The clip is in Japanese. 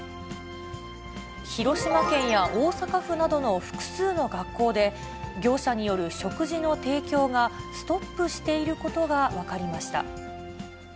広島県や大阪府などの複数の学校で、業者による食事の提供がストップしていることが分かりました。